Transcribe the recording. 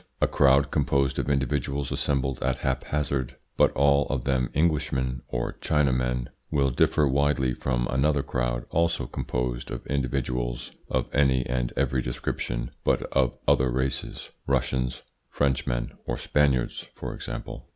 A crowd composed of individuals assembled at haphazard, but all of them Englishmen or Chinamen, will differ widely from another crowd also composed of individuals of any and every description, but of other races Russians, Frenchmen, or Spaniards, for example.